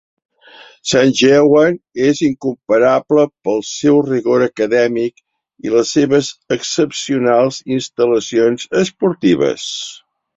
Sanjeewan és incomparable pel seu rigor acadèmic i les seves excepcionals instal·lacions esportives.